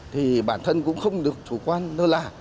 thì bản thân cũng không được chủ quan lơ là